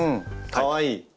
かわいい。